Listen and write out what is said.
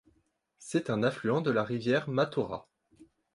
C’est un affluent de la rivière Mataura.